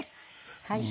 はい。